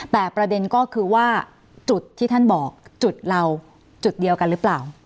แต่ประเด็นก็คือว่าจุดที่ท่านบอกจุดเราจุดเดียวกันหรือเปล่า